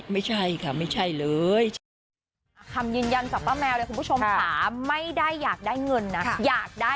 ไม่ใช่ค่ะไม่ใช่เลย